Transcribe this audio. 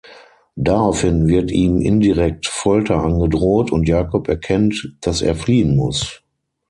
Daraufhin wird ihm indirekt Folter angedroht und Jakob erkennt, dass er fliehen muss.